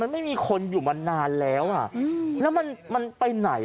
ไม่มีคนอยู่มานานแล้วอ่ะแล้วมันไปไหน